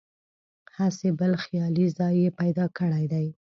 هسې بل خیالي ځای یې پیدا کړی دی.